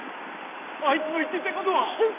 あいつの言っていた事は本当なんだ。